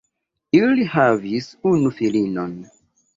Ili havis unu filinon.